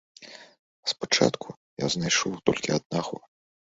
Спачатку я знайшла толькі аднаго.